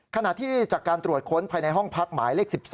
ขณะที่จากการตรวจค้นภายในห้องพักหมายเลข๑๒